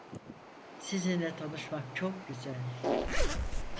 Sizinle tanışmak çok güzel.